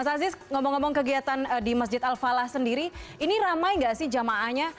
mas aziz ngomong ngomong kegiatan di masjid al falah sendiri ini ramai nggak sih jamaahnya